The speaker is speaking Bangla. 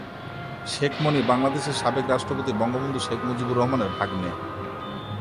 শেখ মনি বাংলাদেশের সাবেক রাষ্ট্রপতি বঙ্গবন্ধু শেখ মুজিবুর রহমানের ভাগ্নে।